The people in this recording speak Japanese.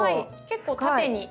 結構縦に。